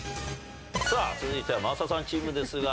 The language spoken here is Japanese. さあ続いては真麻さんチームですが。